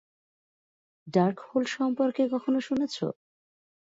Darkhold সম্পর্কে কখনো শুনেছো?